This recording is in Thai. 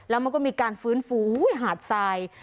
แล้วมันก็มีการฟื้นฟูหาดทราย